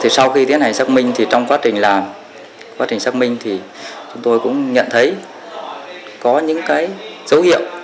sau khi tiến hành xác minh trong quá trình xác minh chúng tôi cũng nhận thấy có những dấu hiệu